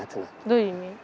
どういう意味？